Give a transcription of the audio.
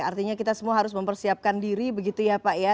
artinya kita semua harus mempersiapkan diri begitu ya pak ya